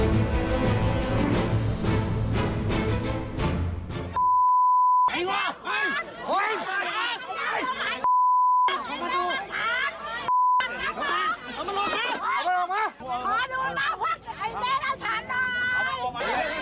สวัสดีครับ